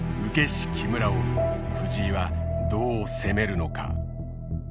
師木村を藤井はどう攻めるのか？